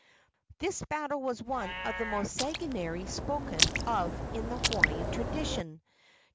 This battle was one of the most sanguinary spoken of in Hawaiian tradition.